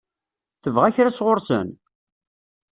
Tebɣa kra sɣur-sen?